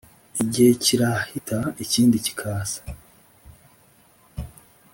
igihe kirahita ikindi kikaza